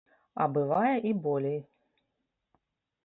А бывае і болей.